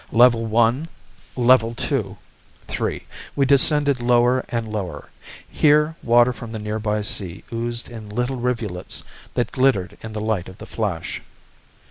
Level one ... level two ... three ... we descended lower and lower. Here water from the nearby sea oozed in little rivulets that glittered in the light of the flash.